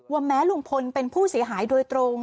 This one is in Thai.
แม้ลุงพลเป็นผู้เสียหายโดยตรง